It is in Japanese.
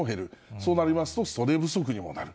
そうなりますと、人手不足にもなる。